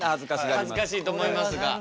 恥ずかしいと思いますが。